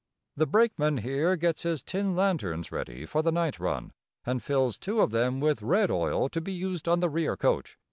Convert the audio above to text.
The brakeman here gets his tin lanterns ready for the night run and fills two of them with red oil to be used on the rear coach.